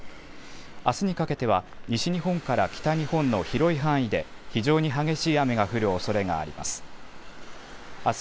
あすにかけては西日本から北日本の広い範囲で非常に激しい雨が降るおそれがあります。